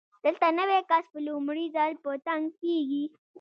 دلته نوی کس په لومړي ځل په تنګ کېږي.